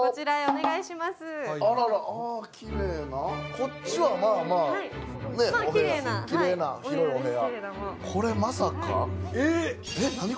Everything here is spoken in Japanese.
こっちはまあまあ、きれいな広いお部屋。